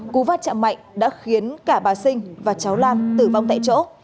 cú va chạm mạnh đã khiến cả bà sinh và cháu lan tử vong tại chỗ